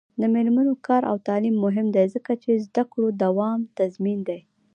د میرمنو کار او تعلیم مهم دی ځکه چې زدکړو دوام تضمین دی.